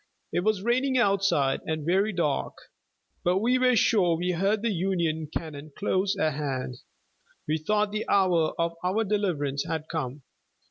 It was raining outside, and very dark, but we were sure we heard the Union cannon close at hand. We thought the hour of our deliverance had come.